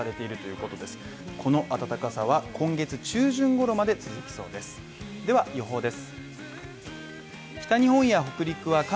この暖かさは今月中旬ごろまで続きそうですでは、予報です。